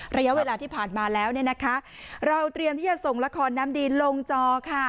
ระยะเวลาที่ผ่านมาแล้วเนี่ยนะคะเราเตรียมที่จะส่งละครน้ำดีลงจอค่ะ